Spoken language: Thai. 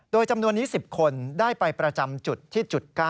โดยจำนวนนี้๑๐คนได้ไปประจำจุดที่จุด๙